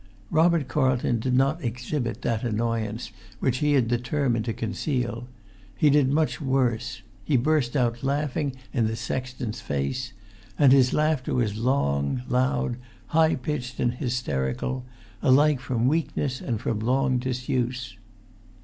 Robert Carlton did not exhibit that annoyance which he had determined to conceal; he did much worse. He burst out laughing in the sexton's face. And his laughter was long, loud, high pitched and hysterical, alike from weakness and from long disuse.